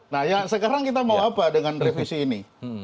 nah ya sekarang kita mau apa dengan revisi ini